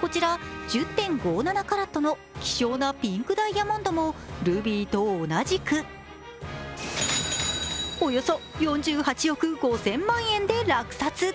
こちら１０．５７カラットの希少なピンクダイヤモンドもルビーと同じくおよそ４８億５０００万円で落札。